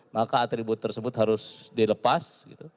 maka atribut tersebut harus dilepas